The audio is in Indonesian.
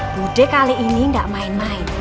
budi kali ini nggak main main